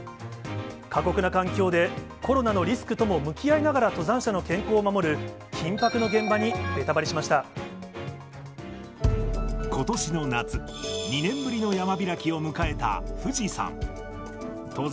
過酷な環境で、コロナのリスクとも向き合いながら登山者の健康を守る緊迫の現場ことしの夏、２年ぶりの山開きを迎えた富士山。